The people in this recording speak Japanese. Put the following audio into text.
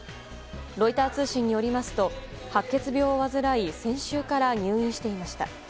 ロイター通信によりますと白血病を患い先週から入院していました。